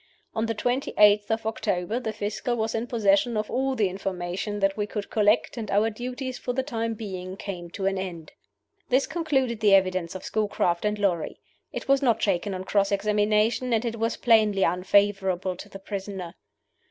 On the twenty eighth of October the Fiscal was in possession of all the information that we could collect, and our duties for the time being came to an end." This concluded the evidence of Schoolcraft and Lorrie. It was not shaken on cross examination, and it was plainly unfavorable to the prisoner.